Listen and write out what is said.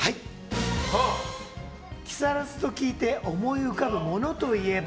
木更津と聞いて思い浮かぶものといえば？